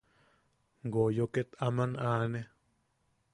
Goyo ket aman aanen.